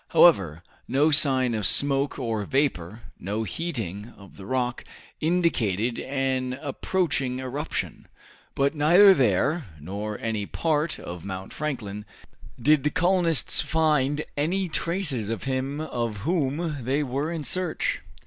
However, no sign of smoke or vapor, no heating of the rock, indicated an approaching eruption. But neither there, nor in any other part of Mount Franklin, did the colonists find any traces of him of whom they were in search.